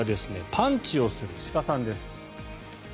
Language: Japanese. パンチをする鹿さんです。